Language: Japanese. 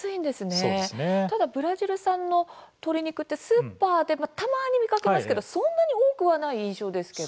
ただブラジル産の鶏肉ってスーパーでたまに見かけますけどそんなに多くはない印象ですけど。